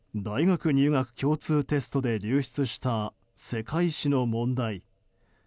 大学入学共通テストで流出した世界史の問題。